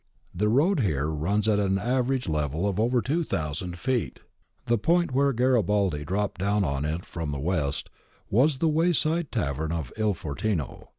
The road here runs at an average level of over 2000 feet. The point where Garibaldi dropped down on it from the west was the wayside tavern of II Fortino.